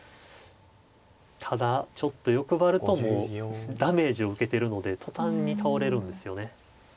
ただちょっと欲張るとダメージを受けてるので途端に倒れるんですよね。